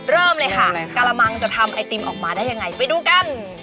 เริ่มเลยค่ะกระมังจะทำไอติมออกมาได้ยังไงไปดูกัน